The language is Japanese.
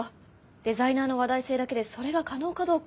デザイナーの話題性だけでそれが可能かどうか。